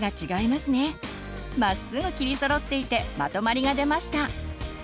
まっすぐ切りそろっていてまとまりが出ました。